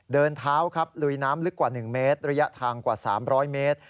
เดินเท้าครับลุยน้ำลึกกว่า๑เมตรระยะทางกว่า๓๐๐เมตร